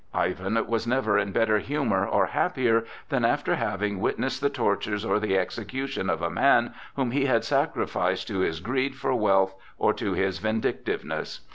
Ivan was never in better humor or happier than after having witnessed the tortures or the execution of a man whom he had sacrificed to his greed for wealth or to his vindictiveness.